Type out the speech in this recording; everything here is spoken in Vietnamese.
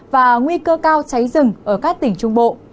và nguy cơ cao cháy rừng ở các tỉnh trung bộ